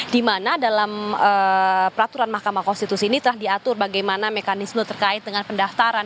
di mana dalam peraturan mahkamah konstitusi ini telah diatur bagaimana mekanisme terkait dengan pendaftaran